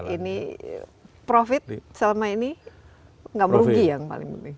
ini profit selama ini gak merugi yang paling penting